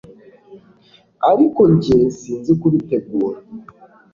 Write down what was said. Ariko njye- Sinzi kubitegura.